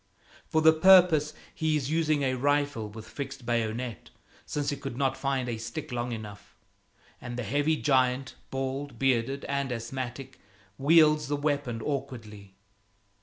For the purpose he is using a rifle with fixed bayonet, since he could not find a stick long enough; and the heavy giant, bald, bearded and asthmatic, wields the weapon awkwardly.